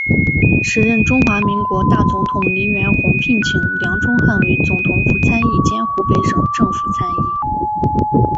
时任中华民国大总统黎元洪聘请梁钟汉为总统府参议兼湖北省政府参议。